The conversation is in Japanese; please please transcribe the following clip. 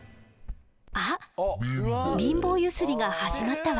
あっ貧乏ゆすりが始まったわ。